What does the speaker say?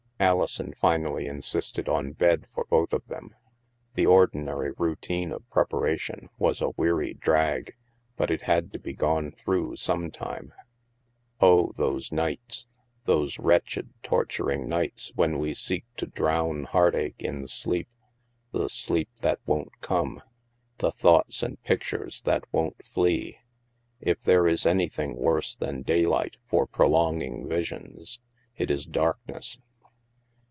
Alison finally insisted on bed for both of them. The ordinary routine of preparation was a weary drag, but it had to be gone through some time. Oh, those nights! Those wretched, torturing nights when we seek to drown heart ache in sleep. The sleep that won't come ! The thoughts and pic tures that won't flee! If there is anything worse than daylight for prolonging visions, it is darkness.